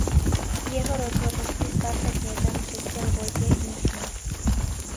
K jeho rozhodnutí stát se knězem přispěl Wojciech Michna.